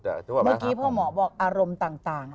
เมื่อกี้พ่อหมอบอกอารมณ์ต่าง